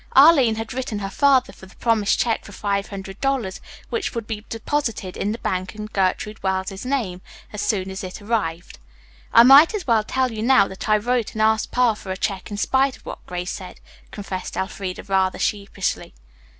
Arline had written her father for the promised check for five hundred dollars, which would be deposited in the bank in Gertrude Wells's name as soon as it arrived. "I might as well tell you now that I wrote and asked Pa for a check in spite of what Grace said," confessed Elfreda rather sheepishly.